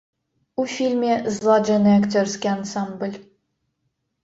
У фільме зладжаны акцёрскі ансамбль.